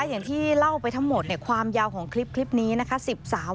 อย่างที่เล่าไปทั้งหมดความยาวของคลิปนี้นะคะ